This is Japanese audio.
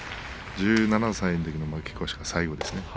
１７歳のときに負け越しが最後ですね。